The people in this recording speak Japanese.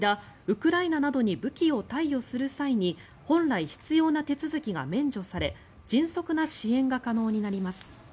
ウクライナなどに武器を貸与する際に本来必要な手続きが免除され迅速な支援が可能になります。